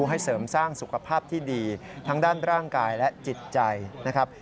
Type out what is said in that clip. ให้เสริมสร้างสุขภาพที่ดีทั้งด้านร่างกายและจิตใจนะครับ